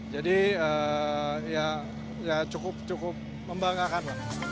jadi ya cukup cukup membanggakan